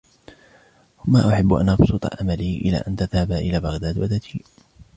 مَا أُحِبُّ أَنْ أَبْسُطَ أَمَلِي إلَى أَنْ تَذْهَبَ إلَى بَغْدَادَ وَتَجِيءَ